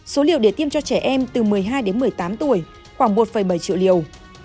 số liệu để tiêm cho trẻ em từ một mươi hai đến một mươi tám tuổi khoảng một bảy triệu liều